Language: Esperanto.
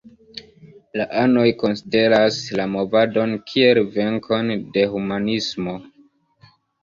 La anoj konsideras la movadon kiel venkon de humanismo.